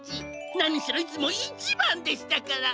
なにしろいつも１ばんでしたから。